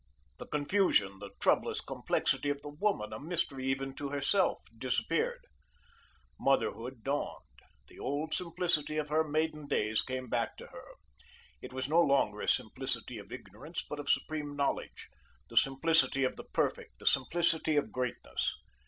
The confusion, the troublous complexity of the woman, a mystery even to herself, disappeared. Motherhood dawned, the old simplicity of her maiden days came back to her. It was no longer a simplicity of ignorance, but of supreme knowledge, the simplicity of the perfect, the simplicity of greatness.